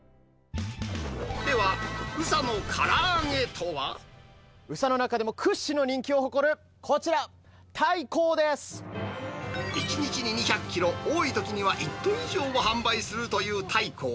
では、宇佐の中でも屈指の人気を誇るこちら、１日に２００キロ、多いときには１トン以上も販売するという太閤。